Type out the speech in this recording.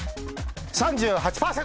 ３８％！